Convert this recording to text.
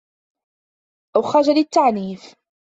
أَوْ خَجَلِ التَّعْنِيفِ